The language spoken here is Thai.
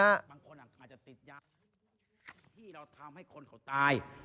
บางคนอาจจะติดยาที่เราทำให้คนเขาตาย